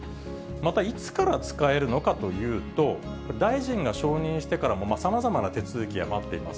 また、いつから使えるのかというと、大臣が承認してからも、さまざまな手続きが待っています。